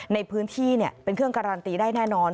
ในพื้นที่เป็นเครื่องการันตีได้แน่นอน